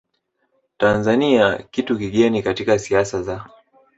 Tanzania kitu kigeni katika siasa za